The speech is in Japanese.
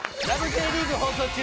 Ｊリーグ』放送中！